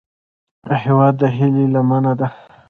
هیواد د هیلې لمنه ده